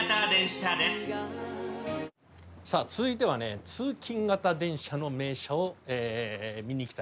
さあ続いてはね通勤形電車の名車を見に行きたいと。